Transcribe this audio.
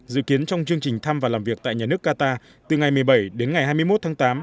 dự kiến trong chương trình thăm và làm việc tại nhà nước qatar từ ngày một mươi bảy đến ngày hai mươi một tháng tám